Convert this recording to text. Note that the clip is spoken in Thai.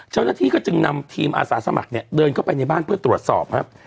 เจ้าหน้าที่ก็จึงนำทีมอาสาสมัครเนี่ยเดินเข้าไปในบ้านเพื่อตรวจสอบครับ